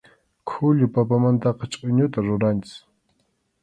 Khullu papamantaqa chʼuñuta ruranchik.